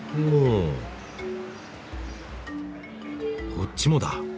こっちもだ。